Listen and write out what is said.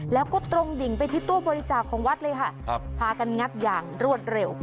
แล้วก็ตรงดิ่งไปที่ตู้บริจาคของวัดเลยค่ะพากันงัดอย่างรวดเร็ว